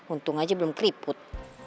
untung aja belum keriput